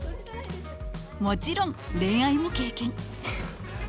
もちろん恋愛も経験。